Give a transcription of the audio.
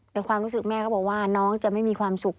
ในความรู้สึกแม่ก็บอกว่าน้องจะไม่มีความสุข